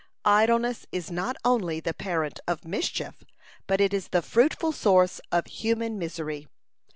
Idleness is not only the parent of mischief, but it is the fruitful source of human misery.